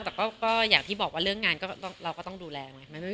แต่ก็อย่างที่บอกว่าเรื่องงานเราก็ต้องดูแลไง